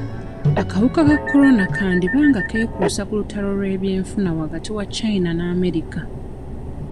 Akawuka ka Corona kandiba nga keekuusa ku lutalo lw'ebyenfuna wakati wa China ne America.